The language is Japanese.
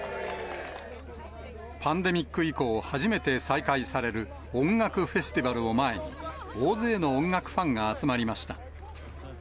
パンデミック以降、初めて再開される音楽フェスティバルを前に、大勢の音楽ファンが集まりました。